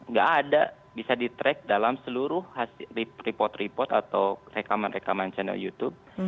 nggak ada bisa di track dalam seluruh report report atau rekaman rekaman channel youtube